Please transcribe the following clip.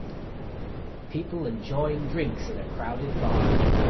People enjoying drinks in a crowded bar.